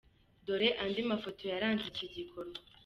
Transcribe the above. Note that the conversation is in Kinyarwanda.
Dore andi mafoto yaranze iki gikorwa .